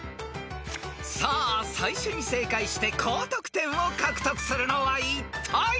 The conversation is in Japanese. ［さあ最初に正解して高得点を獲得するのはいったい？］